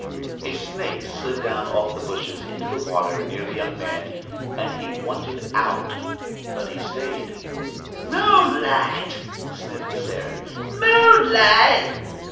A snake slid down off the bushes into the water near the young man and he "wanted out," but he stayed. "Moonlight!" sniffed Sarah. "Moonlight!"